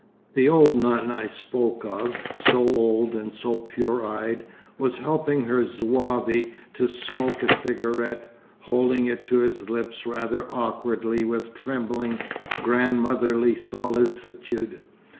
The old nun I spoke of, so old and so pure eyed, was helping her Zouave to smoke a cigarette, holding it to his lips rather awkwardly with trembling, grandmotherly solicitude.